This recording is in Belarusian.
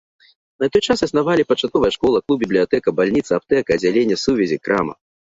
На той час існавалі пачатковая школа, клуб, бібліятэка, бальніца, аптэка, аддзяленне сувязі, крама.